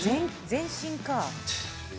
全身か。